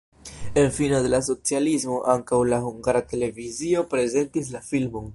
En fino de la socialismo ankaŭ la Hungara Televizio prezentis la filmon.